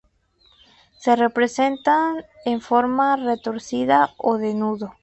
Se presentan en forma retorcida o de nudo.